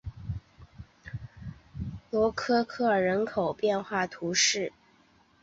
罗科科尔人口变化图示